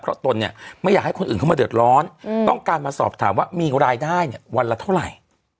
เพราะตนเนี่ยไม่อยากให้คนอื่นเข้ามาเดือดร้อนต้องการมาสอบถามว่ามีรายได้เนี่ยวันละเท่าไหร่